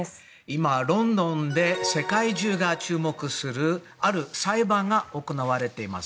今、ロンドンで世界中が注目するある裁判が行われています。